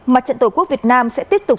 mặt trận tổ quốc việt nam sẽ tiếp tục